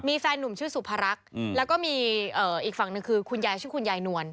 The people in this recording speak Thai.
มีแฟนหนุ่มชื่อสุภารักษ์แล้วก็มีอีกฝั่งหนึ่งคือคุณยายชื่อคุณยายนวล